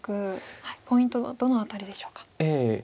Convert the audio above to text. ポイントはどの辺りでしょうか。